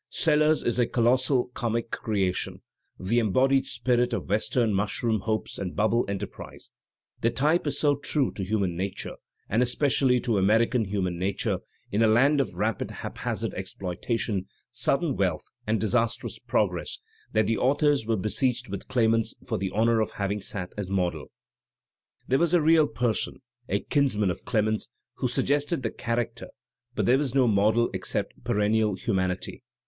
Sellers is a colossal comic creation, the em < bodied spirit of western mushroom hopes and bubble enter prise. The type is so true to human nature, and especially to American human nature in a land of rapid haphazard exploitation, sudden wealth and disastrous "progress," that the authors were besieged with claimants for the honour of having sat as model. There was a real person, a kinsman of Clemens, who suggested the character, but there was no model except perennial humanity.